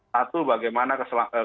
satu bagaimana kesehatan masyarakat